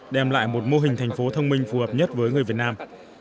đem lại một mô hình thành phố thông minh phù hợp nhất với người việt nam